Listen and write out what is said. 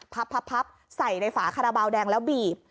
พับใส่ในฝาคาราบาลแดงแล้วบีบ